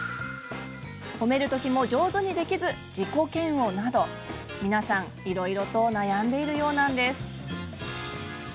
「褒める時も、上手にできず自己嫌悪」など皆さん、いろいろと悩んでいるようなんです。